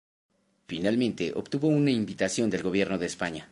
Finalmente obtuvo una invitación del Gobierno de España.